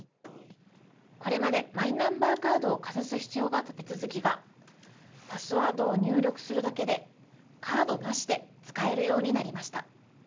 これまでマイナンバーカードをかざす必要があった手続きがパスワードを入力するだけでカードなしで使えるようになりました。